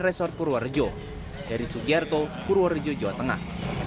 pesor purworejo dari sugiarto purworejo jawa tengah